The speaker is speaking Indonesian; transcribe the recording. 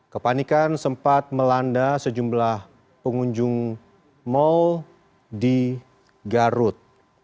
kepanikan sempat melanda sejumlah pengunjung mal di garut